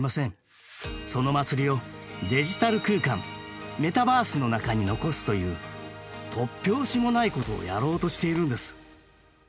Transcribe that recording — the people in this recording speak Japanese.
その祭りをデジタル空間メタバースの中に残すという突拍子もないことをやろうとしているんです。